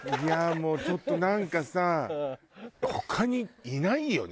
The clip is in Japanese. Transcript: もうちょっとなんかさ他にいないよね